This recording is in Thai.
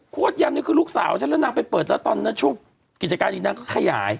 ยำนี่คือลูกสาวฉันแล้วนางไปเปิดแล้วตอนนั้นช่วงกิจการนี้นางก็ขยาย